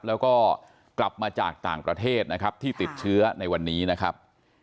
แล้วก็กลับมาจากต่างประเทศนะครับที่ติดเชื้อในวันนี้นะครับ